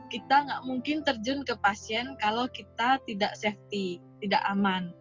kita nggak mungkin terjun ke pasien kalau kita tidak safety tidak aman